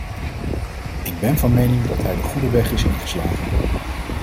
Ik ben van mening dat hij de goede weg is ingeslagen.